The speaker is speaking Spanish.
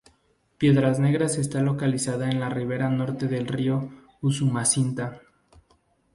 Piedras Negras está localizada en la ribera norte del río Usumacinta.